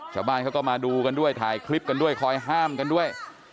ชาวบ้านเขาก็มาดูกันด้วยถ่ายคลิปกันด้วยคอยห้ามกันด้วย